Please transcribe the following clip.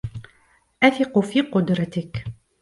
أثق في قدرتك.